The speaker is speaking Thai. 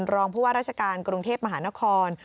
รองผู้ว่าราชการกรุงเทพมหานคร